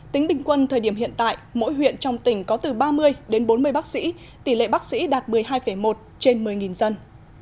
tính bình quân thời điểm hiện tại mỗi huyện trong tỉnh có từ ba mươi đến bốn mươi bác sĩ tỷ lệ bác sĩ đạt một mươi hai một trên một mươi dân